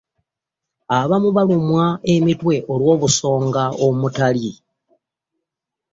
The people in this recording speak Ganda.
Abamu balumwa emitwe olw'obusonga omutali.